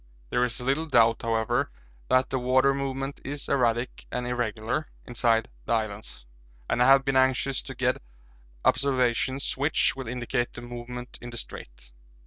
There is little doubt, however, that the water movement is erratic and irregular inside the islands, and I have been anxious to get observations which will indicate the movement in the 'Strait.'